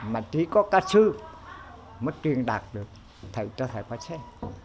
mà chỉ có ca sư mới truyền đạt được cho thầy phát xét